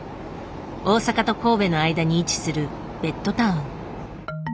大阪と神戸の間に位置するベッドタウン。